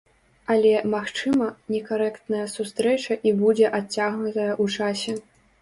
Але, магчыма, некарэктная сустрэча і будзе адцягнутая ў часе.